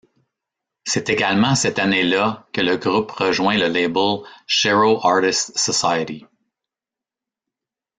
C'est également cette année-là que le groupe rejoint le label Sherow Artist Society.